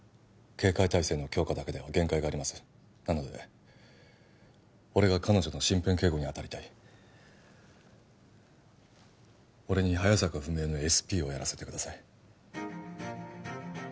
警戒態勢の強化だけでは限界がありますなので俺が彼女の身辺警護に当たりたい俺に早坂文江のＳＰをやらせてください